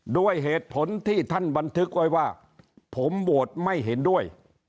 ด้วยเหตุผลที่ท่านบันทึกไว้ว่าผมโหวตไม่เห็นด้วย